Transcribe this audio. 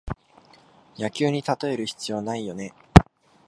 野球にたとえる必要ないよね